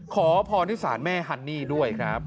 ขอพรที่ศาลแม่ฮันนี่ด้วยครับ